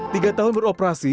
tiga tahun beroperasi